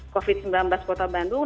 covid sembilan belas kota bandung